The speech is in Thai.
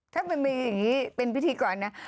ถ้ามันเป็นแบบนี้เป็นพิธีกรนะ